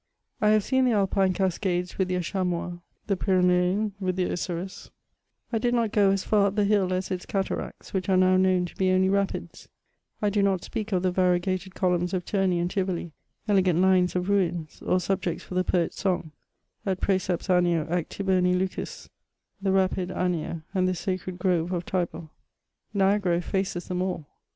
I have seen the Alpine cascades with their chamois, the Pyrenean with their isaros ; I did not go as far up the hill as its cataracts, which are now known to be only rapids ; I do not speak of the variegated columns of Temi and Tivoli, elegant lines of ruins, or subjects for the poet*s song — etprcBceps Anio ac Tiberni lucus — 'Hhe rapid Anio and the sacred grove of Tibut*;" Niagara effaces them all.